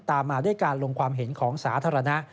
ตามมาด้วยการลงความเห็นของสาธารณะ